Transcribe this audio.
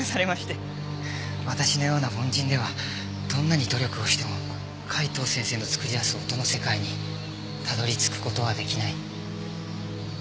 私のような凡人ではどんなに努力をしても海東先生の作り出す音の世界にたどり着く事は出来ない。